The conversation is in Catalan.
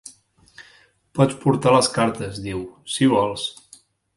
"Pots portar les cartes", diu, "si vols".